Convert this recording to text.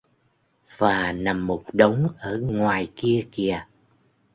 Và nằm một đống ở ngoài kia kìa